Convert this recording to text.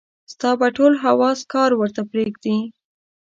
ستا به ټول حواص کار ورته پرېږدي.